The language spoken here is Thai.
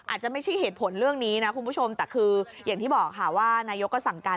อาจจะไม่ใช่เหตุผลเรื่องนี้นะคุณผู้ชมแต่คืออย่างที่บอกค่ะว่านายกก็สั่งการ